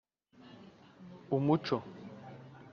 umuco